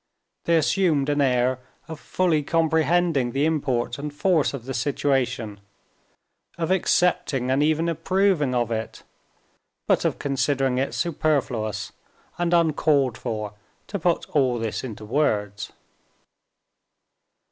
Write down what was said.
They assumed an air of fully comprehending the import and force of the situation, of accepting and even approving of it, but of considering it superfluous and uncalled for to put all this into words.